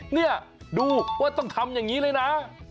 นี่ดูว่าต้องทำอย่างนี้เลยนะ